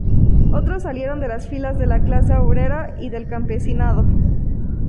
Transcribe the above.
Otros salieron de las filas de la clase obrera y del campesinado.